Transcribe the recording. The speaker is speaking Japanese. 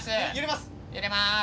揺れます